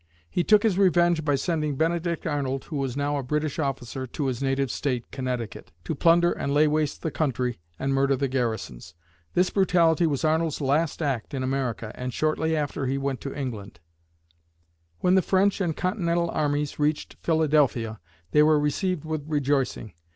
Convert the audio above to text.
He took his revenge by sending Benedict Arnold, who was now a British officer, to his native State, Connecticut, to plunder and lay waste the country and murder the garrisons. This brutality was Arnold's last act in America, and shortly after, he went to England. When the French and Continental armies reached Philadelphia, they were received with rejoicing.